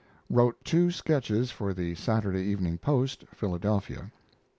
Wrote two sketches for The Sat. Eve. Post (Philadelphia).